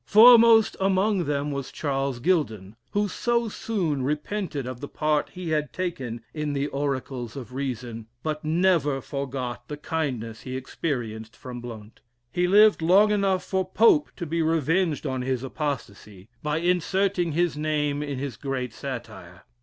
Foremost amongst them was Charles Gildon, who so soon repented of the part he had taken in the "Oracles of Reason," but never forgot the kindness he experienced from Blount. He lived long enough for Pope to be revenged on his apostacy, by inserting his name in his great satire.